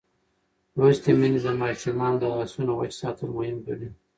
لوستې میندې د ماشومانو د لاسونو وچ ساتل مهم ګڼي.